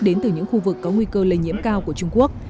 đến từ những khu vực có nguy cơ lây nhiễm cao của trung quốc